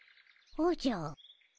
おじゃ。